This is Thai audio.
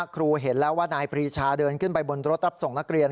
ครูเห็นแล้วว่านายปรีชาเดินขึ้นไปบนรถรับส่งนักเรียน